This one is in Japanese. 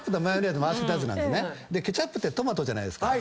ケチャップってトマトじゃないですか。